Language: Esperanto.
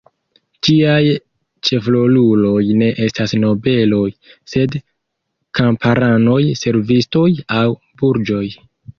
Ĝiaj ĉefroluloj ne estas nobeloj, sed kamparanoj, servistoj aŭ burĝoj.